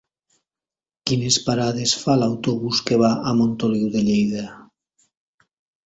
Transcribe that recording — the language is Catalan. Quines parades fa l'autobús que va a Montoliu de Lleida?